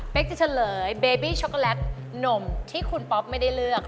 เป็นจะเฉลยเบบี้ช็อกโกแลตหนุ่มที่คุณป๊อปไม่ได้เลือก